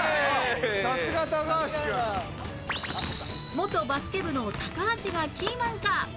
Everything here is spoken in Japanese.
元バスケ部の高橋がキーマンか！